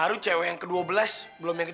baru cewek yang ke dua belas belum yang ke